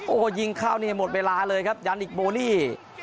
โอ้โหยิงเข้านี่หมดเวลาเลยครับยันอีกโบลี่